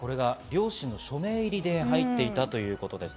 両親の署名入りで入っていたということです。